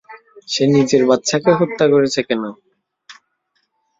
সে নিজের বাচ্চাকে হত্যা করছে কেন?